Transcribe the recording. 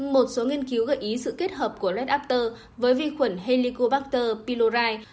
một số nghiên cứu gợi ý sự kết hợp của lết áp tơ với vi khuẩn helicobacter pylori